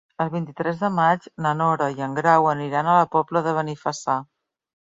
El vint-i-tres de maig na Nora i en Grau aniran a la Pobla de Benifassà.